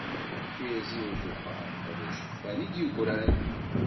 Tirẓi ubuqal, ala iceqfan i d-yegran.